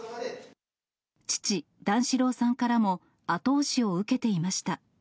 父、段四郎さんからも、後押しを受けていました。